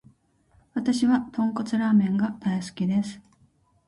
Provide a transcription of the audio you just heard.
わたしは豚骨ラーメンが大好きです。